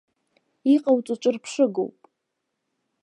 Иҟауҵо ҿырԥшыгоуп!